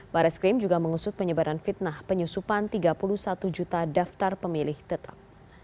baris krim juga mengusut penyebaran fitnah penyusupan tiga puluh satu juta daftar pemilih tetap